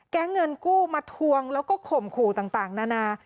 เงินกู้มาทวงแล้วก็ข่มขู่ต่างนานา